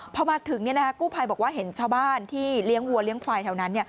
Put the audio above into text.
พอมาถึงกู้ภัยบอกว่าเห็นชาวบ้านที่เลี้ยงวัวเลี้ยงควายแถวนั้น